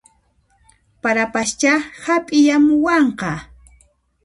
Parapaschá apiyamuwanqa